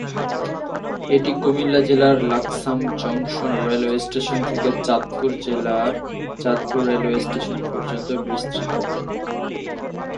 এটি কুমিল্লা জেলার Laksam junction railway station থেকে চাঁদপুর জেলার চাঁদপুর রেলওয়ে স্টেশন পর্যন্ত বিস্তৃত।